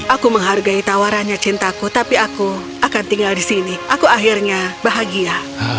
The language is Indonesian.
aku menghargai tawarannya cintaku tapi aku akan tinggal di sini aku akhirnya bahagia